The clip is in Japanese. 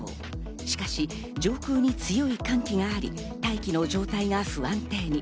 しかし上空に強い寒気があり、大気の状態が不安定に。